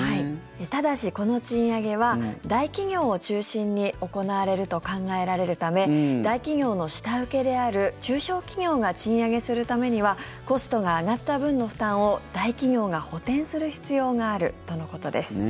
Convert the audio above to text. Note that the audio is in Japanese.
ただし、この賃上げは大企業を中心に行われると考えられるため大企業の下請けである中小企業が賃上げするためにはコストが上がった分の負担を大企業が補てんする必要があるとのことです。